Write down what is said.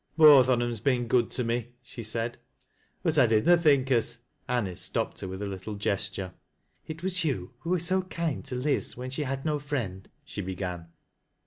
" Both on 'em's been good to me," she said, " but I did na think as —" Anice stopped her with a little gesture. •'' It was you who were so kind to Liz when she had no friend," she began.